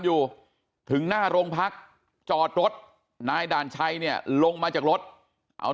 อยู่ถึงหน้าโรงพักจอดรถนายด่านชัยเนี่ยลงมาจากรถเอา